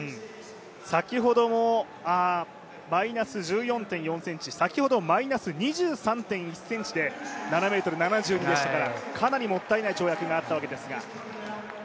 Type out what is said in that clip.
先ほどもマイナス１４．４ｃｍ先ほどマイナス２３．１ｃｍで７ｍ７２でしたから、かなりもったいない跳躍であったわけですが。